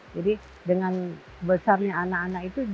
jadi dengan besarnya anak anak itu